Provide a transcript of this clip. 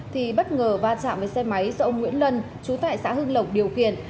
thì bất ngờ va chạm với xe máy do ông nguyễn lân chú tại xã hương lộc điều khiển